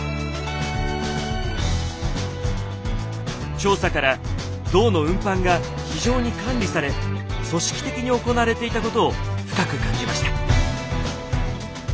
調査から銅の運搬が非常に管理され組織的に行われていたことを深く感じました。